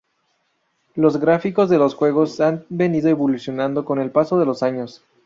Los gráficos de los juegos han venido evolucionando con el paso de los años.